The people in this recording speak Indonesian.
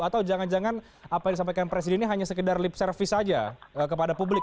atau jangan jangan apa yang disampaikan presiden ini hanya sekedar lip service saja kepada publik